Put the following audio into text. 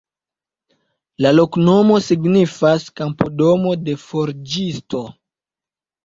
La loknomo signifas: kampo-domo-de forĝisto.